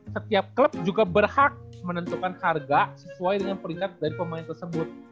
setiap klub juga berhak menentukan harga sesuai dengan peringkat dari pemain tersebut